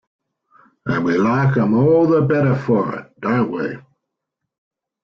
And we like 'em all the better for it, don't we?